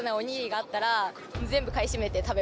があったら。